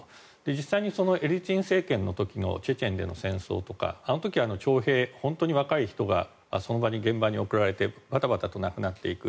実際にエリツィン政権の時のチェチェンでの戦争とかあの時は徴兵本当に若い人が戦争に送られてバタバタと亡くなっていく。